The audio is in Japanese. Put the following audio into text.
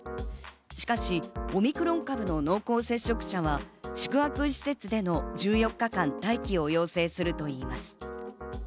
しかし、オミクロン株の濃厚接触者は宿泊施設での１４日間待機を要請するといいます。